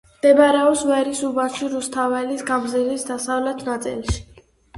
მდებარეობს ვერის უბანში, რუსთაველის გამზირის დასავლეთ ნაწილში.